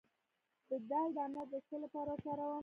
د دال دانه د څه لپاره وکاروم؟